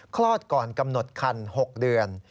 คลอดก่อนกำหนดคัน๖เดือน